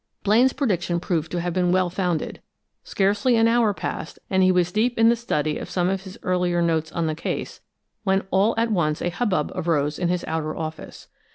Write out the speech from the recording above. Blaine's prediction proved to have been well founded. Scarcely an hour passed, and he was deep in the study of some of his earlier notes on the case, when all at once a hubbub arose in his outer office.